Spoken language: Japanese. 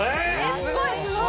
すごいすごい！